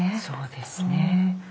そうですね。